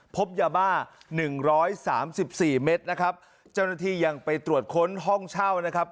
พบยาบ้าหนึ่งร้อยสามสิบสี่เมตรนะครับเจ้าหน้าที่ยังไปตรวจค้นห้องเช่านะครับ